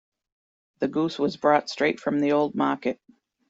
The goose was brought straight from the old market.